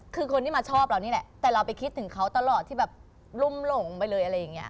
คือคนที่มาชอบเรานี่แหละแต่เราไปคิดถึงเขาตลอดที่แบบรุ่มหลงไปเลยอะไรอย่างนี้